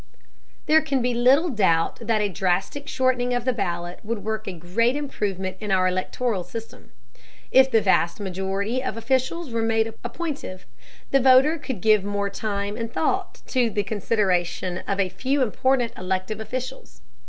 There can be little doubt that a drastic shortening of the ballot would work a great improvement in our electoral system. If the vast majority of officials were made appointive, the voter could give more time and thought to the consideration of a few important elective officials.